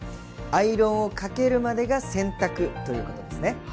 アイロンをかけるまでが洗濯！ということですね。